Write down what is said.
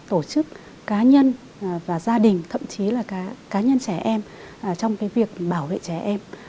tổ chức cá nhân và gia đình thậm chí là cá nhân trẻ em trong cái việc bảo vệ trẻ em